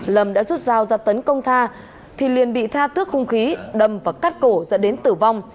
lâm đã rút dao ra tấn công tha thì liền bị tha tước hung khí đâm và cắt cổ dẫn đến tử vong